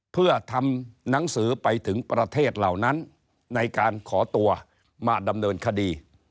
เพื่อทำหนังสือไปถึงประเทศเหล่านั้นในการขอตัวมาดำเนินคดี